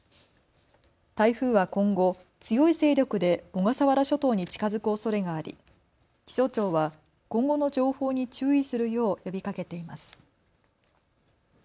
台風は今後、強い勢力で小笠原諸島に近づくおそれがあり気象庁は今後の情報に注意するよう呼びかけています。